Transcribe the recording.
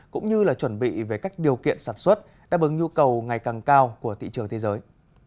cũng như là chuẩn bị về các điều kiện sản xuất đáp ứng nhu cầu ngày càng cao của thị trường thế giới